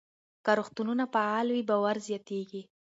که روغتونونه فعال وي، باور زیاتېږي.